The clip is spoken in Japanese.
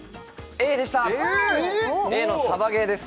Ａのサバゲーです